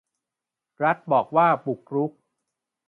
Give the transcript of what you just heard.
รัฐบอกว่าบุกรุก